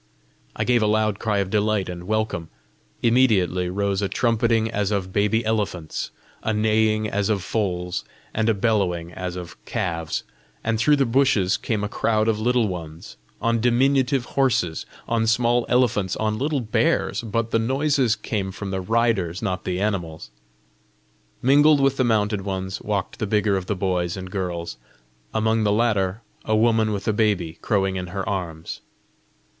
I gave a loud cry of delight and welcome. Immediately rose a trumpeting as of baby elephants, a neighing as of foals, and a bellowing as of calves, and through the bushes came a crowd of Little Ones, on diminutive horses, on small elephants, on little bears; but the noises came from the riders, not the animals. Mingled with the mounted ones walked the bigger of the boys and girls, among the latter a woman with a baby crowing in her arms.